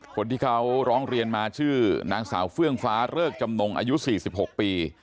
คนที่เขาร้องเรียนมาชื่อนางสาวเฟื่องฟ้าเริกจำนงอายุ๔๖ปี